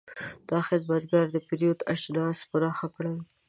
دا خدمتګر د پیرود اجناس په نښه کړل.